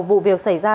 vụ việc xảy ra